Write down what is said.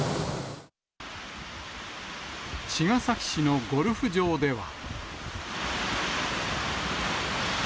茅ヶ崎市のゴルフ場では。